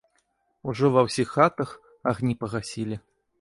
Ужо ва ўсіх хатах агні пагасілі.